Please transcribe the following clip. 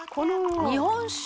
「日本酒？」